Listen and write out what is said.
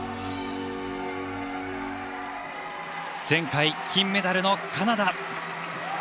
前回、金メダルのカナダ。